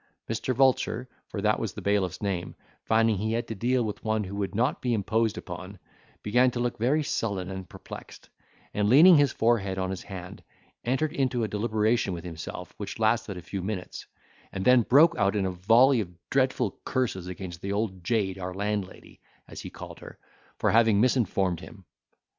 Mr. Vulture, for that was the bailiff's name, finding he had to deal with one who would not be imposed upon, began to look very sullen and perplexed, and, leaning his forehead on his hand, entered into a deliberation with himself, which lasted a few minutes, and then broke out in a volley of dreadful curses against the old jade our landlady, as he called her, for having misinformed him.